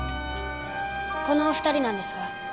この２人なんですが。